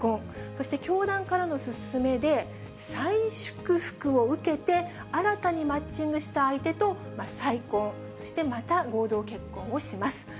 そして教団からの勧めで、再祝福を受けて、新たにマッチングした相手と再婚、そしてまた合同結婚をします。